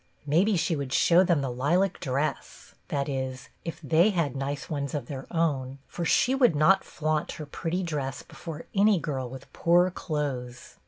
Maybe she would show them the lilac dress, — that is, if they had nice ones of their own, for she would not flaunt her pretty dress before any girl with poor clothes.